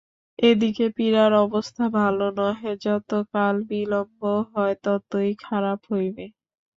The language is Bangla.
এ দিকে পীড়ার অবস্থা ভালো নহে, যত কালবিলম্ব হয় ততই খারাপ হইবে।